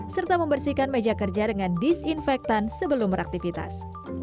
serta membersihkan meja kerja dengan disinfektan sebelum beraktivitas